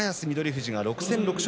富士は６戦６勝